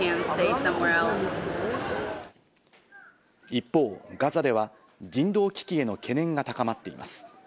一方、ガザでは人道危機への懸念が高まっています。